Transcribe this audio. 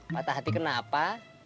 patah hati kenapa